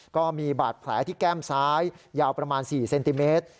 ก็มีบาดแผลที่แก้มซ้ายยาวประมาณ๔เซนติเมตร